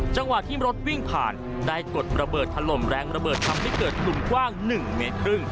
จังหวะที่รถวิ่งผ่านได้กดระเบิดถล่มแรงระเบิดทำให้เกิดกลุ่มกว้าง๑เมตรครึ่ง